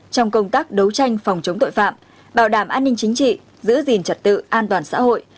trong công tác đấu tranh phòng chống tội phạm bảo đảm an ninh chính trị giữ gìn trật tự an toàn xã hội